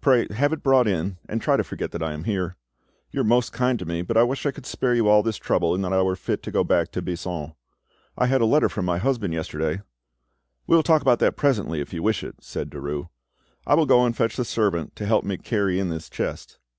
Pray have it brought in, and try to forget that I am here. You are most kind to me, but I wish I could spare you all this trouble and that I were fit to go back to Buisson. I had a letter from my husband yesterday——" "We will talk about that presently, if you wish it," said Derues. "I will go and fetch the servant to help me to carry in this chest.